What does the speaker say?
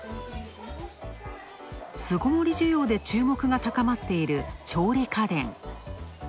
巣ごもり需要で注目が高まっている調理家電。